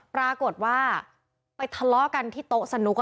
ปรากฏว่าไปทะเลาะกันที่โต๊ะสนุก